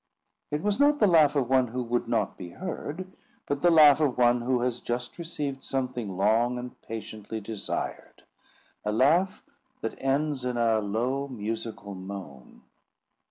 It was not the laugh of one who would not be heard, but the laugh of one who has just received something long and patiently desired—a laugh that ends in a low musical moan.